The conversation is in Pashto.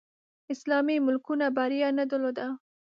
اسلامي ملکونو بریا نه درلوده